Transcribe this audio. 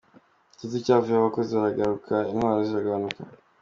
Igitutu cyavuyeho, abakozi baragabanuka, intwaro ziragabanuka.